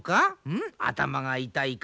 ん？頭が痛いか？